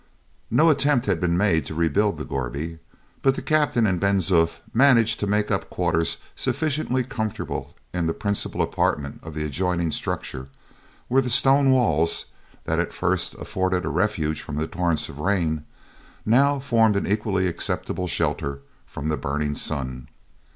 No attempt had been made to rebuild the gourbi, but the captain and Ben Zoof managed to make up quarters sufficiently comfortable in the principal apartment of the adjoining structure, where the stone walls, that at first afforded a refuge from the torrents of rain, now formed an equally acceptable shelter from the burning sun.